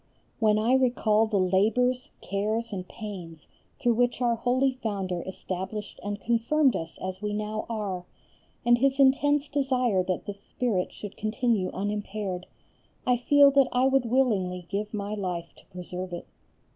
When I recall the labours, cares, and pains through which our holy Founder established and confirmed us as we now are, and his intense desire that this spirit should continue unimpaired, I feel that I would willingly give my life to preserve it.